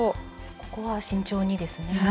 ここは慎重にですね。